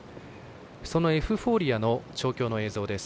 そのエフフォーリアの調教の映像です。